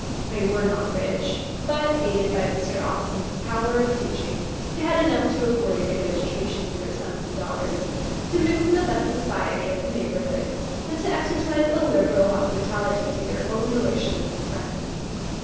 They were not rich, but, aided by Mr. Austen's powers of teaching, they had enough to afford a good education to their sons and daughters, to mix in the best society of the neighbourhood, and to exercise a liberal hospitality to their own relations and friends.